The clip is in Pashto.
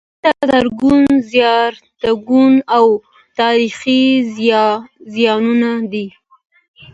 دلته زرګونه زیارتونه او تاریخي ځایونه دي.